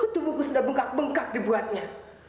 tubuhku sudah bengkak bengkak dibuatnya